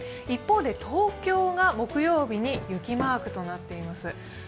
一方で東京が木曜日に雪マークとなっています。